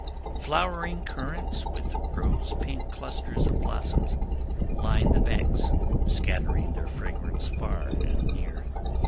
Flowering currants, with rose pink clusters of blossoms, line the banks, scattering their fragrance far and near.